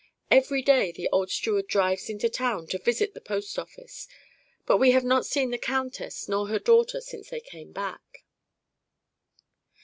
Every day the old steward drives into town to visit the post office, but we have not seen the countess nor her daughter since they came back."